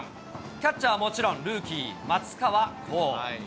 キャッチャーはもちろん、ルーキー、松川虎生。